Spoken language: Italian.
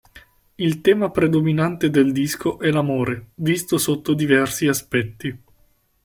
Il tema predominante del disco è l'amore, visto sotto diversi aspetti.